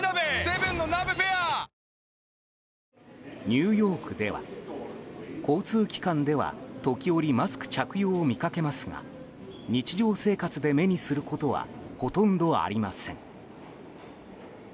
ニューヨークでは交通機関では時折マスク着用を見かけますが日常生活で目にすることはほとんどありません。